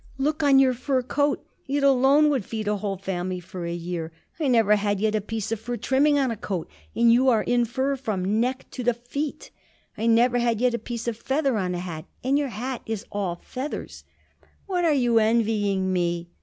Look on your fur coat; it alone would feed a whole family for a year. I never had yet a piece of fur trimming on a coat, and you are in fur from the neck to the feet. I never had yet a piece of feather on a hat, and your hat is all feathers." "What are you envying me?"